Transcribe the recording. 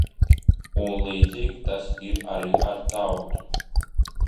Un līdzīgi tas ir arī ar tautu.